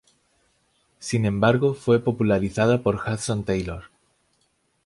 Sin embargo, fue popularizada por Hudson Taylor.